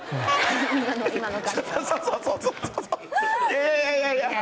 いやいやいやいや。